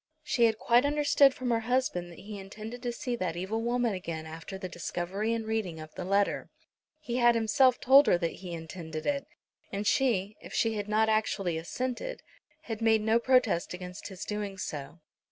She had quite understood from her husband that he intended to see that evil woman again after the discovery and reading of the letter. He had himself told her that he intended it; and she, if she had not actually assented, had made no protest against his doing so.